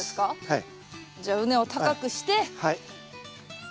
はい。